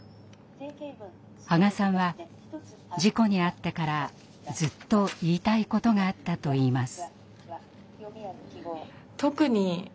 波賀さんは事故に遭ってからずっと言いたいことがあったといいます。